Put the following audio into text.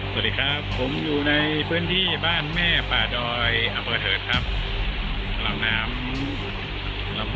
สวัสดีครับผมอยู่ในพื้นที่บ้านแม่ป่าดอยอำเภอเถิดครับหลังน้ำลำ